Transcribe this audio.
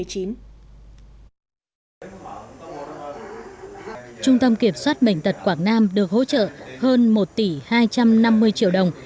trung tâm kiểm soát bệnh tật quảng nam được hỗ trợ hơn một tỷ hai trăm năm mươi triệu đồng